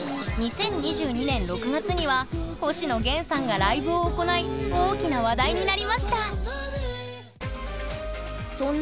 ２０２２年６月には星野源さんがライブを行い大きな話題になりましたすげえ。